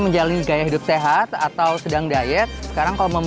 cesar salat dibalut croissant ini adalah salah satu hidangan dalam menunya